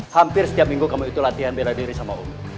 hampir setiap minggu kamu itu latihan beradiri sama umur